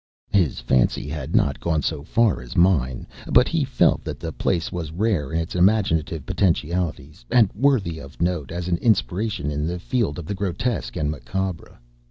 His fancy had not gone so far as mine, but he felt that the place was rare in its imaginative potentialities, and worthy of note as an inspiration in the field of the grotesque and macabre.